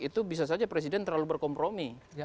itu bisa saja presiden terlalu berkompromi